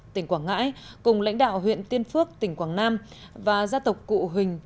tỉnh quảng ngãi cùng lãnh đạo huyện tiên phước tỉnh quảng nam và gia tộc cụ huỳnh